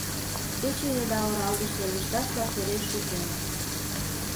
Кече еда оралгыше лышташ-влак эре шукемыт.